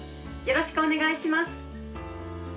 よろしくお願いします。